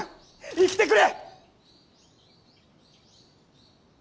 生きてくれ！